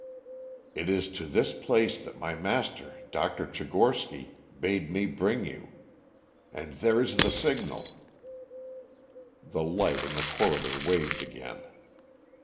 "It is to this place that my master, Dr. Tchigorsky, bade me bring you. And there is the signal." The light in the corridor waved again.